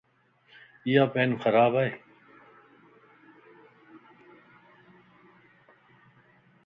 ايا پين خراب ائي.